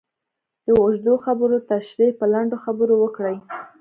د اوږدو خبرو تشرېح په لنډو خبرو وکړئ.